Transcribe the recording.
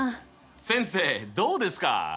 先生どうですか？